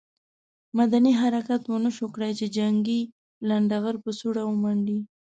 مدني حرکت ونه شو کړای چې جنګي لنډه غر په سوړه ومنډي.